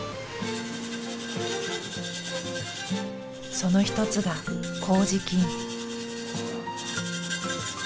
その一つが麹菌。